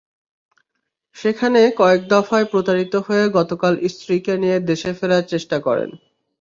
সেখানে কয়েক দফায় প্রতারিত হয়ে গতকাল স্ত্রীকে নিয়ে দেশে ফেরার চেষ্টা করেন।